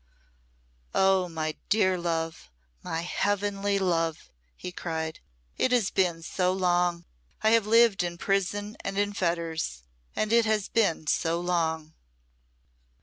"Oh! my dear love, my heavenly love!" he cried. "It has been so long I have lived in prison and in fetters and it has been so long!"